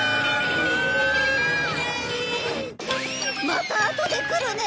またあとで来るね！